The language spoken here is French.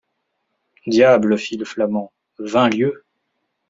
Diable ! fit le flamand, vingt lieues !